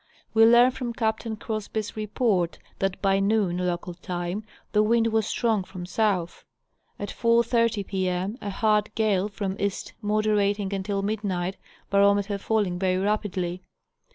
We learn from Captain Crosby's report that by noon, local time, the wind was strong from south ; at 4:30 p. m., a hard gale from east, moderating until midnight, barometer falling very rap idly.